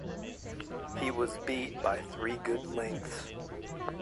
He was beat by three good lengths.